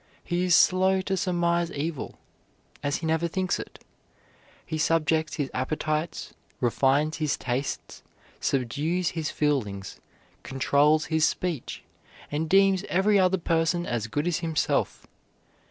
He is slow to surmise evil, as he never thinks it. He subjects his appetites, refines his tastes, subdues his feelings, controls his speech, and deems every other person as good as himself.